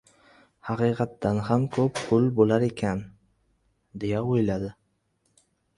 "Haqiqatan ham ko‘p pul bo‘lar ekan", deya o‘yladi.